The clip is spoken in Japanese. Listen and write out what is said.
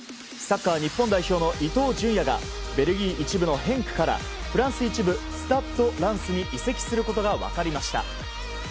サッカー日本代表の伊東純也がベルギー１部ヘンクからフランス１部スタッド・ランスに移籍することが分かりました。